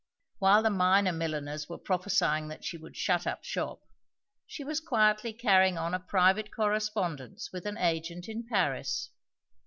While the minor milliners were prophesying that she would shut up shop, she was quietly carrying on a private correspondence with an agent in Paris.